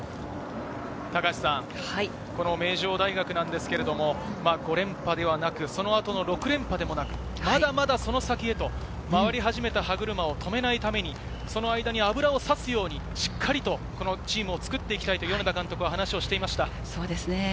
名城大学は５連覇ではなく、その後の６連覇でもなく、まだまだその先へ回り始めた歯車を止めないために油を差すようにしっかりチームを作っていきたいと米田監督は話していました。